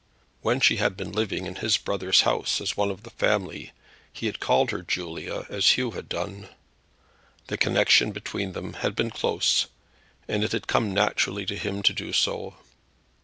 When she had been living in his brother's house as one of the family he had called her Julia, as Hugh had done. The connection between them had been close, and it had come naturally to him to do so.